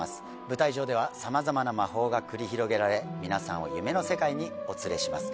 舞台上では様々な魔法が繰り広げられ皆さんを夢の世界にお連れします